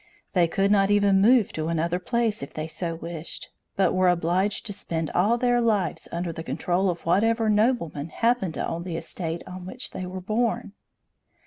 They could not even move to another place if they so wished, but were obliged to spend all their lives under the control of whatever nobleman happened to own the estate on which they were born.